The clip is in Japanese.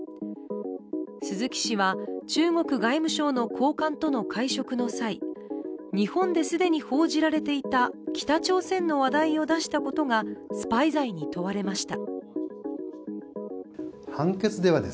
鈴木氏は中国外務省の高官との会食の際日本で既に報じられていた北朝鮮の話題を出したことがスパイ罪に問われました。